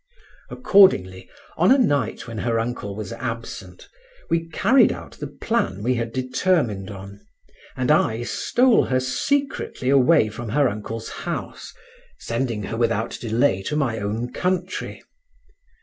Accordingly, on a night when her uncle was absent, we carried out the plan we had determined on, and I stole her secretly away from her uncle's house, sending her without delay to my own country.